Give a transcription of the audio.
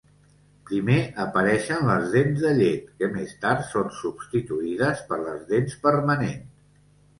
Primer apareixen les dents de llet, que més tard són substituïdes per les dents permanents.